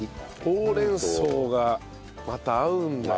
ほうれん草がまた合うんだよね。